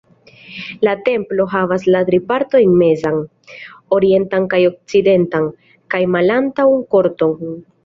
La templo havas la tri partojn mezan, orientan kaj okcidentan, kaj malantaŭan korton.